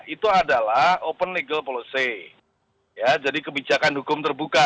itu adalah open legal policy jadi kebijakan hukum terbuka